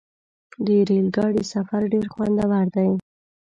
د ریل ګاډي سفر ډېر خوندور دی.